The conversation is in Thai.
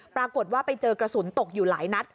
ปรากฏว่าไปเจอกระสุนตกอยู่หลายนัด